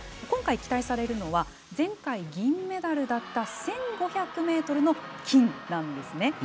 今回期待されるのは前回銀メダルだった１５００ｍの金なんですね。